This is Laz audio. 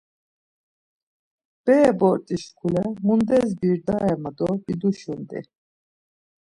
Bere bort̆i şkule mudes birdare ma do biduşunt̆i.